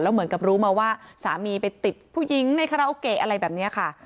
เหมือนกับรู้มาว่าสามีไปติดผู้หญิงในคาราโอเกะอะไรแบบนี้ค่ะ